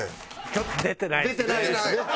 ちょっと出てないですね。